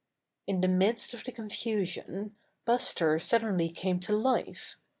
In the the midst of the confusion, Buster suddenly came to life.